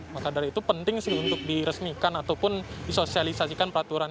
maka dari itu penting sih untuk diresmikan ataupun disosialisasikan peraturan